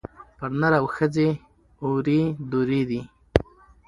پر نر او ښځي اوري دُرې دي